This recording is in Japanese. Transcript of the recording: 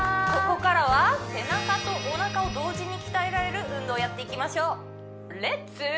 ここからは背中とおなかを同時に鍛えられる運動をやっていきましょうレッツ！